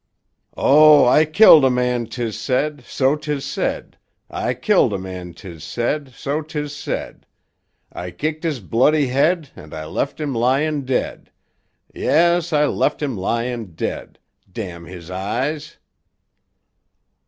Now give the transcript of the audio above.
Oh, I killed a man 'tis said, so 'tis said; I killed a man 'tis said, so 'tis said. I kicked 'is bloody head, an' I left 'im lyin' dead; Yes, I left 'im lyin' dead —— 'is eyes!